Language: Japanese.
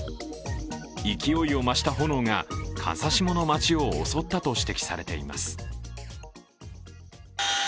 勢いを増した炎が風下の街を襲ったと指摘されています。